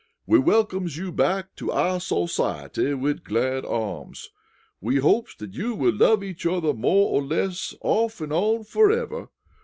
We welcomes you back to our sawsiety wid glad arms. We hopes dat you will love each yuther mo' or less an' off an' on ferever!